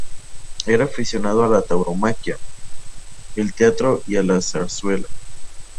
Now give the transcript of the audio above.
Era aficionado a la tauromaquia, al teatro y a la zarzuela.